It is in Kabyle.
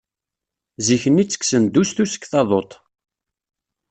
Zik-nni ttekksen-d ustu seg taḍuṭ.